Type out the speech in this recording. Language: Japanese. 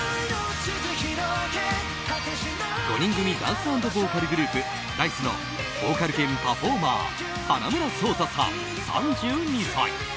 ５人組ダンス＆ボーカルグループＤａ‐ｉＣＥのボーカル兼パフォーマー花村想太さん、３２歳。